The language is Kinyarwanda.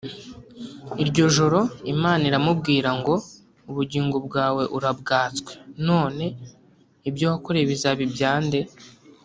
Iryo joro Imana iramubwira ngo ubugingo bwawe urabwatswe none ibyo wakoreye bizaba ibya nde